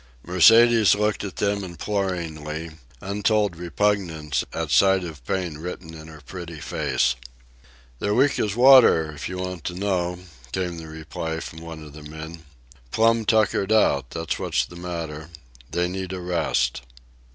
Mercedes looked at them imploringly, untold repugnance at sight of pain written in her pretty face. "They're weak as water, if you want to know," came the reply from one of the men. "Plum tuckered out, that's what's the matter. They need a rest."